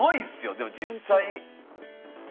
でも実際。